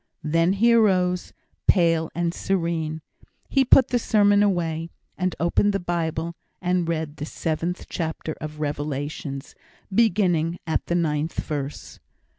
Then he arose, pale and serene. He put the sermon away, and opened the Bible, and read the seventh chapter of Revelations, beginning at the ninth verse.